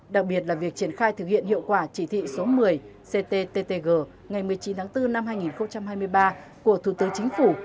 đặc biệt là việc triển khai thực hiện hiệu quả chỉ thị số một mươi cttg ngày một mươi chín tháng bốn năm hai nghìn hai mươi ba của thủ tướng chính phủ